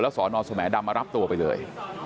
แล้วสนสดมารับตัวไปเลย